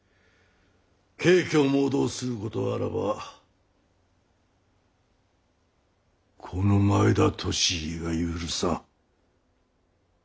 軽挙妄動することあらばこの前田利家が許さん。